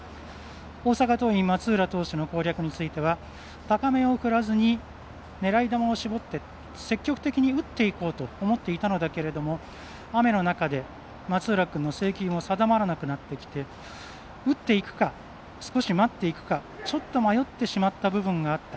大阪桐蔭、松浦投手の攻略については高めを振らずに狙い球を絞って積極的に打っていこうと思っていたのだけれども雨の中で、松浦君の制球も定まらなくなってきて打っていくか、少し待っていくかちょっと迷ってしまった部分があった。